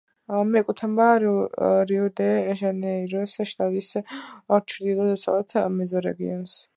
მიეკუთვნება რიო-დე-ჟანეიროს შტატის ჩრდილო-დასავლეთ მეზორეგიონს.